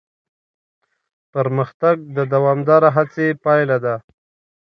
پرمختګ د دوامداره هڅې پایله ده.